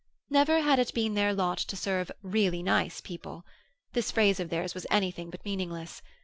Never had it been their lot to serve "really nice" people—this phrase of theirs was anything but meaningless.